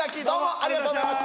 ありがとうございます。